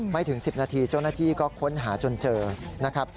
ไม่ถึง๑๐นาทีเจ้าหน้าที่ก็ค้นหาจนเจอนะครับ